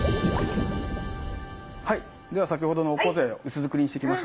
はいでは先ほどのオコゼを薄造りにしてきましたので。